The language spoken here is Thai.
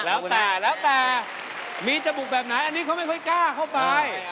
แล้วแต่มีจบุแบบไหนอันนี้เขาไม่ค่อยกล้าเข้าไป